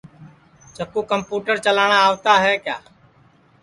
چکُو کمپوٹر چلاٹؔا آوتا ہے کیا